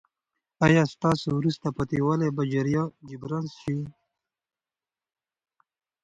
ایا ستاسو وروسته پاتې والی به جبران شي؟